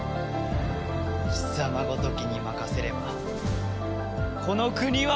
貴様ごときに任せればこの国は滅びる！